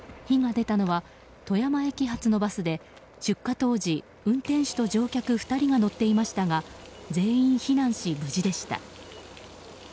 火が出たのは富山駅発のバスで出火当時、運転手と乗客２人が乗っていましたが全員避難し無事でした。